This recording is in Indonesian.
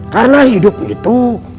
karena hidup itu